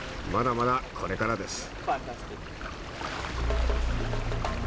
まだまだこれからです。